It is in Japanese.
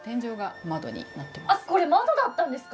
これ窓だったんですか。